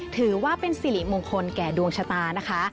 ถือว่าเป็นสิริมงคลแก่ดวงชะตานะคะ